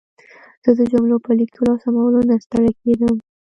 زه د جملو په لیکلو او سمولو نه ستړې کېدم.